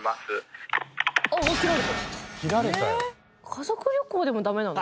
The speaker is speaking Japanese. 家族旅行でもダメなの？